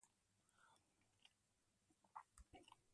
Its town hall is located in the unincorporated community of Nodine.